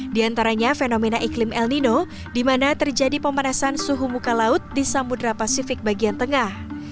di antaranya fenomena iklim el nino di mana terjadi pemanasan suhu muka laut di samudera pasifik bagian tengah